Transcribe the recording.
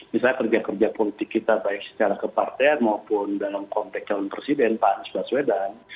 misalnya kerja kerja politik kita baik secara kepartean maupun dalam konteks calon presiden pak anies baswedan